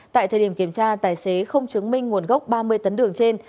tại thời điểm kiểm tra tài xế không chứng minh nguồn gốc ba mươi tấn đường trên